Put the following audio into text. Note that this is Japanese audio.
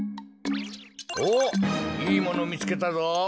おっいいものみつけたぞ。